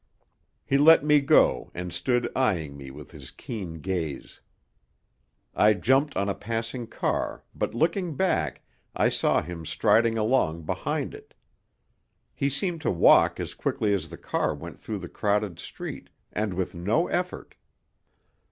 He let me go and stood eyeing me with his keen gaze. I jumped on a passing car, but looking back, I saw him striding along behind it. He seemed to walk as quickly as the car went through the crowded street, and with no effort.